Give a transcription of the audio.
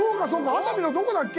熱海のどこだっけ？」